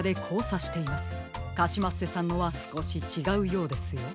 カシマッセさんのはすこしちがうようですよ。